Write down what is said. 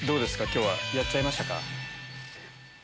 今日はやっちゃいましたか？